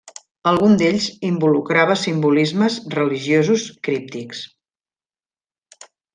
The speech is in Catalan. Algun d'ells involucrava simbolismes religiosos críptics.